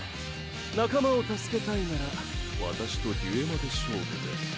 仲間を助けたいなら私とデュエマで勝負です。